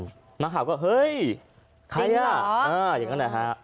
หนักแผ่นดินนักข่าวก็เฮ้ยใครล่ะอ่าอย่างนั้นแหละฮะ